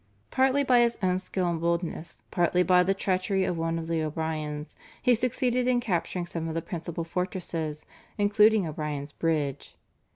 Partly by his own skill and boldness, partly also by the treachery of one of the O'Briens, he succeeded in capturing some of the principal fortresses including O'Brien's Bridge.